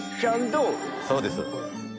そうです。